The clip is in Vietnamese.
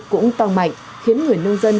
cũng toàn mạnh khiến người nông dân